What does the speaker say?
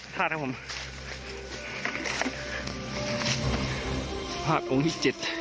ภาพอุงที่๗